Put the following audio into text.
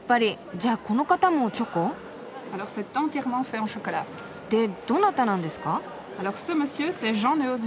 じゃあこの方もチョコ？でどなたなんですか？